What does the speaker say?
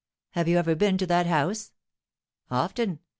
"Have you ever been to that house?" "Often.